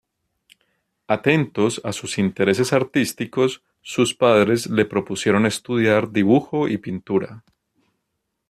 Atentos a sus intereses artísticos, sus padres le propusieron estudiar dibujo y pintura.